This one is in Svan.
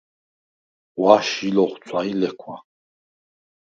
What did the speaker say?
ღვაშ ჟი ლოხცვა ი ლექვა.